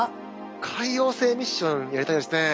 海王星ミッションやりたいですね。